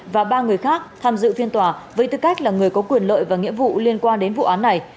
và ba người khác tham dự phiên tòa với tư cách là người có quyền lợi và nghĩa vụ liên quan đến vụ án này